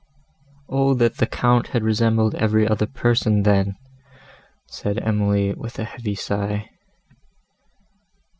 "O that the Count had resembled every other person, then!" said Emily, with a heavy sigh.